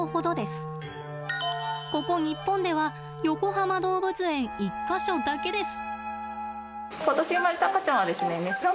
ここ日本ではよこはま動物園１か所だけです。